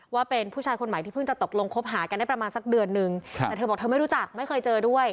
ว่าเป็นผู้ชายคนใหม่ที่เพิ่งจะตกลงคบหากันได้ประมาณสักเดือนนึงแต่เธอบอกเธอไม่รู้จักไม่เคยเจอด้วย